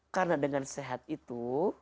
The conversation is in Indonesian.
karena dengan sehat itu